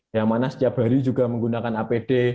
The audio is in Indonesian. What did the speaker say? yang mana setiap hari juga menggunakan apd